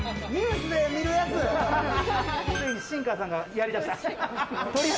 ついに新川さんがやりだした。